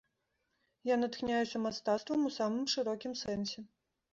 Я натхняюся мастацтвам у самым шырокім сэнсе.